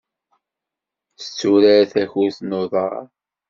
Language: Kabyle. Tetturar takurt n uḍar.